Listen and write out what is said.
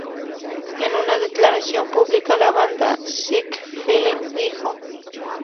En una declaración pública, la banda Sick Feeling dijo:.